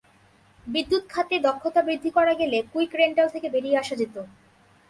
বিদ্যুৎ খাতে দক্ষতা বৃদ্ধি করা গেলে কুইক রেন্টাল থেকে বেরিয়ে আসা যেত।